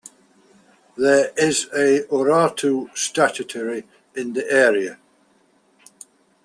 There is a Urartu statuary in the area.